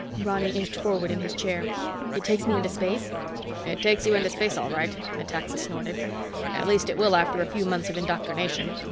Ronny inched forward in his chair. "It takes me into space?" "It takes you into space all right," Metaxa snorted. "At least it will after a few months of indoctrination.